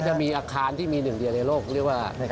ก็จะมีอาคารที่มี๑เดือนในโลกเรียกว่า